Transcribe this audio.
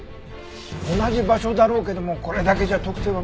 同じ場所だろうけどもこれだけじゃ特定は無理だよ。